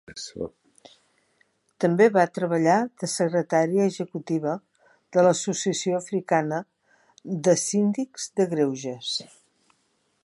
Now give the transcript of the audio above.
També va treballar de secretària executiva de l'associació africana de síndics de greuges.